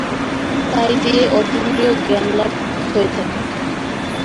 তাই দিয়েই অতীন্দ্রিয় জ্ঞানলাভ হয়ে থাকে।